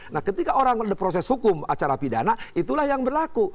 nah ketika orang ada proses hukum acara pidana itulah yang berlaku